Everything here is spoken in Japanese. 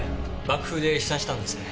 爆風で飛散したんですね。